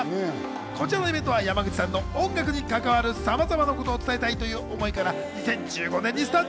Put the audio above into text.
こちらのイベントは山口さんの音楽に関わる様々なことを伝えたいという思いから２０１５年にスタート。